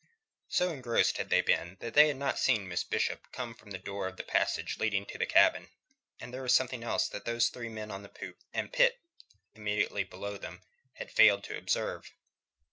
So engrossed had they been that they had not seen Miss Bishop come from the door of the passage leading to the cabin. And there was something else that those three men on the poop, and Pitt immediately below them, had failed to observe.